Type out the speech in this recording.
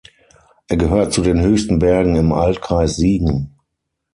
Er gehört zu den höchsten Bergen im Altkreis Siegen.